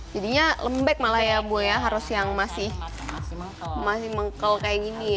jadinya lembek malah ya bu ya harus yang masih mengkel kayak gini